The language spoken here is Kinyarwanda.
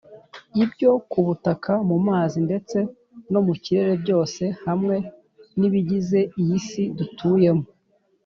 ibyo ku butaka mu mazi ndetse no mu kirere byose hamwe nibigize iyi si dutuyemo